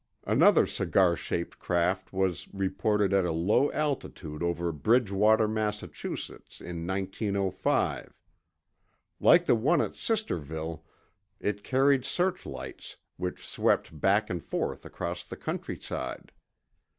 Another cigar shaped craft was reported at a low altitude over Bridgewater, Massachusetts, in 1905. Like the one at Sisterville, it carried searchlights, which swept back and forth across the countryside.